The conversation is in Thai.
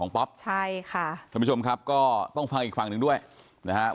ป๊อปใช่ค่ะท่านผู้ชมครับก็ต้องฟังอีกฝั่งหนึ่งด้วยนะฮะ